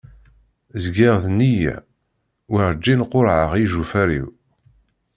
Zgiɣ d neyya, warǧin qurɛeɣ ijufar-iw.